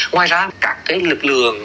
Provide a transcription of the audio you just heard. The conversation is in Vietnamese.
ngoài ra các cái lực lượng